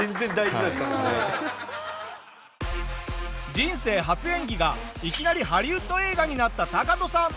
人生初演技がいきなりハリウッド映画になったタカトさん。